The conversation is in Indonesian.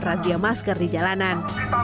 razia masker di jalanan